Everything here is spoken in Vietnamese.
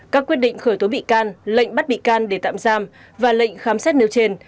các quyết định khởi tố bị can lệnh bắt bị can để tạm giam và lệnh khám xét nêu trên